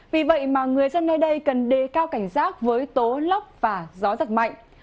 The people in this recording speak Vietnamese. vì vậy mà người dân nơi đây cần đề cao cảnh giác với tố lốc và gió giật mạnh